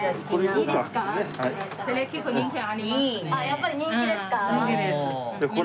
やっぱり人気ですか？